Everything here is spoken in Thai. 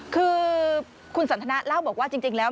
คือคุณสันทนาเล่าบอกว่าจริงแล้ว